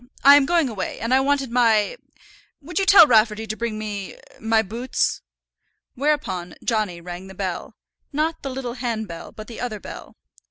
I am going away, and I wanted my would you tell Rafferty to bring me my boots?" Whereupon Johnny rang the bell not the little handbell, but the other bell.